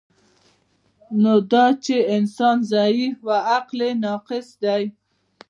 نو دا چی انسان ضعیف او عقل یی ناقص دی